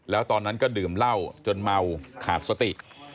แล้วตอนนั้นก็ดื่มเหล้าจนเมาขาดสติ